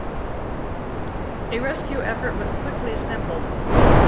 A rescue effort was quickly assembled.